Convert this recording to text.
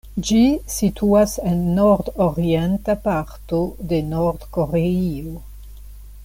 Ĝi situas en nord-orienta parto de Nord-Koreio.